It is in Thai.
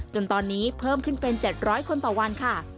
จนตอนนี้เพิ่มขึ้นเป็น๗๐๐คนต่อวันค่ะ